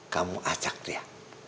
kamu ajak dia